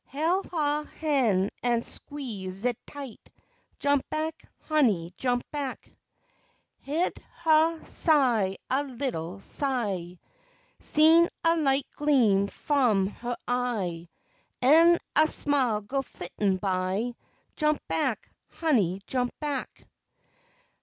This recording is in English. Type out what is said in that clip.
Hel' huh han' an' sque'z it tight, Jump back, honey, jump back. Hyeahd huh sigh a little sigh, Seen a light gleam f'om huh eye, An' a smile go flittin' by Jump back, honey, jump back.